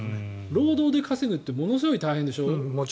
労働って稼ぐってものすごく大変でしょう。